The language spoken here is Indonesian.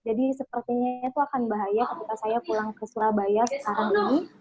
jadi sepertinya itu akan bahaya ketika saya pulang ke surabaya sekarang ini